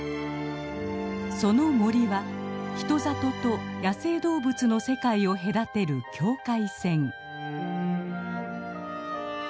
その森は人里と野生動物の世界を隔てる境界線。